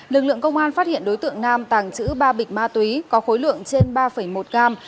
lực lượng công an phát hiện đối tượng nam tàng trữ ba bịch ma túy có khối lượng trên ba một gram